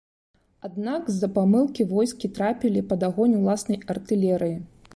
Аднак з-за памылкі войскі трапілі пад агонь уласнай артылерыі.